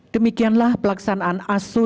demikianlah pelaksanaan aso